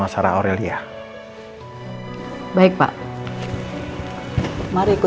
silahkan pak bu